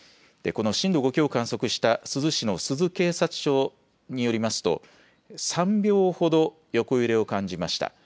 この震度５強を観測した珠洲市の珠洲警察署によりますと３秒ほど横揺れを感じました。